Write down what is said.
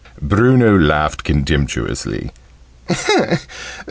Bruno laughed contemptuously.